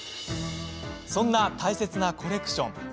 そんな大切なコレクション。